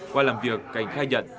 qua làm việc cảnh khai nhận